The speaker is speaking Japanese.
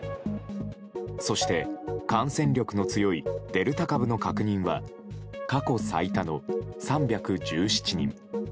そして、感染力の強いデルタ株の確認は過去最多の３１７人。